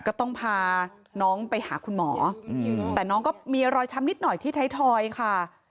ก็ต้องพาน้องไปหาคุณหมอแต่น้องก็มีรอยช้ำนิดหน่อยที่ไทยทอยค่ะ